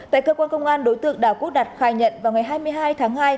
tại cơ quan công an đối tượng đào quốc đạt khai nhận vào ngày hai mươi hai tháng hai